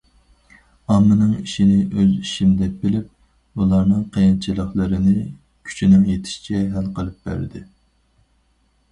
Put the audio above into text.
ئاممىنىڭ ئىشىنى ئۆز ئىشىم دەپ بىلىپ، ئۇلارنىڭ قىيىنچىلىقلىرىنى كۈچىنىڭ يېتىشىچە ھەل قىلىپ بەردى.